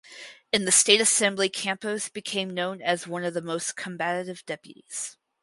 In the state assembly Campos became known as one of the most combative deputies.